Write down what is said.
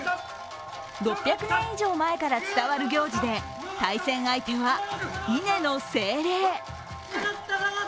６００年以上前から伝わる行事で対戦相手は稲の精霊。